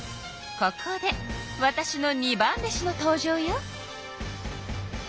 ここでわたしの二番弟子の登場よ。